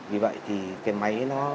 vì vậy thì cái máy nó